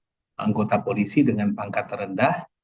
dan dia juga memiliki hakta polisi dengan pangkat terendah